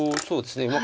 そうですね。